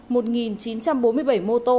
một chín trăm bốn mươi bảy mô tô